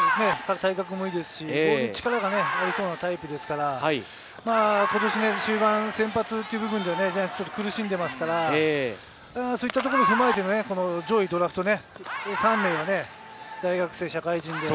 体格もいいですし、力がありそうなタイプですから、今年、終盤先発という部分でジャイアンツ、苦しんでますから、そういったところ踏まえて、上位ドラフト３名が大学生、社会人。